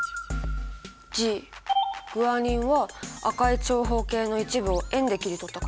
Ｇグアニンは赤い長方形の一部を円で切り取った感じ。